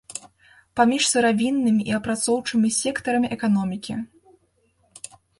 Паміж сыравіннымі і апрацоўчымі сектарамі эканомікі.